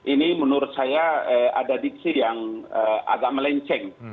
ini menurut saya ada diksi yang agak melenceng